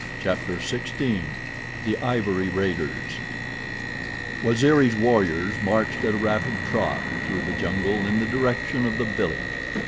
Chapter XVI The Ivory Raiders Waziri's warriors marched at a rapid trot through the jungle in the direction of the village.